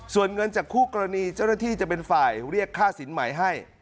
ส่วนเงินจากคู่กรณีเจ้าหน้าที่จะเป็นฝ่ายเรียกค่าสินใหม่ให้